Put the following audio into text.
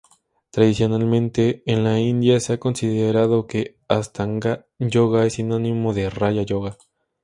Tradicionalmente en la India se ha considerado que astanga-yoga es sinónimo de raya-yoga.